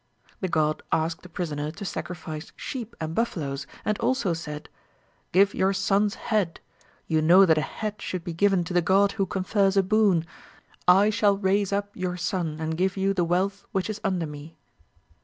The god asked the prisoner to sacrifice sheep and buffaloes, and also said: 'Give your son's head. You know that a head should be given to the god who confers a boon. I shall raise up your son, and give you the wealth which is under me.'